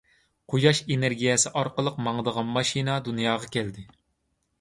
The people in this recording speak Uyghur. قۇياش ئېنېرگىيەسى ئارقىلىق ماڭىدىغان ماشىنا دۇنياغا كەلدى.